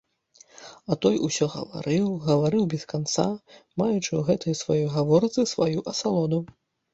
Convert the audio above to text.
А той усё гаварыў, гаварыў без канца, маючы ў гэтай сваёй гаворцы сваю асалоду.